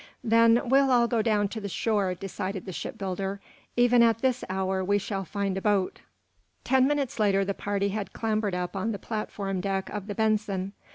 "Then we'll all go down to the shore," decided the shipbuilder. "Even at this hour we shall find a boat." Ten minutes later the party had clambered up on the platform deck of the "Benson."